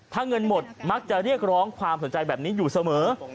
ถ้าเงินหมดมักจะเรียกร้องความสนใจแบบนี้อยู่เสมอ